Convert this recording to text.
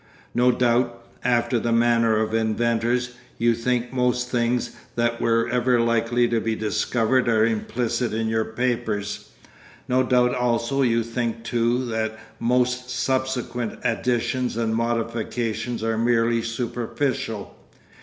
No doubt—after the manner of inventors—you think most things that were ever likely to be discovered are implicit in your papers. No doubt also you think too that most subsequent additions and modifications are merely superficial.